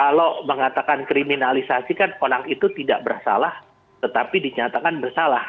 kalau mengatakan kriminalisasi kan orang itu tidak bersalah tetapi dinyatakan bersalah